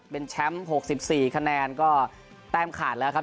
เป็นแชมป์หกสิบสี่คะแนนก็แต้มขาดแล้วครับ